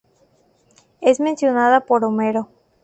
Es mencionada por Homero.